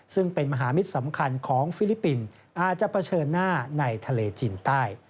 ซึ่งเป็นมหามิตรสำคัญของฟิลิปปินส์อาจจะเผชิญหน้าในทะเลจีนใต้